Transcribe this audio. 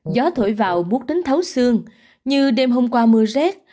gió thổi vào bút đến thấu xương như đêm hôm qua mưa rét